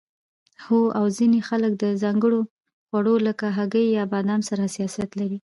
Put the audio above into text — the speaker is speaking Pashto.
هو او ځینې خلک د ځانګړو خوړو لکه هګۍ یا بادام سره حساسیت لري